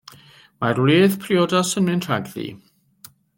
Mae'r wledd priodas yn mynd rhagddi.